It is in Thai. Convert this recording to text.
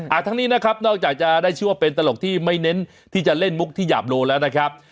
ทั้งนี้นะครับนอกจากจะได้ชื่อว่าเป็นตลกที่ไม่เน้นที่จะเล่นมุกที่หยาบโลแล้วนะครับ